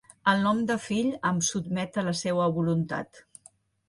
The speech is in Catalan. El nom de fill em sotmet a la seua voluntat;